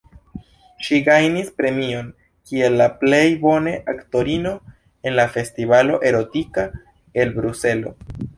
Ŝi gajnis premion kiel la plej bone aktorino en la Festivalo Erotika el Bruselo.